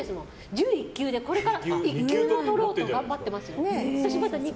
準１級でこれから１級とろうと頑張ってます。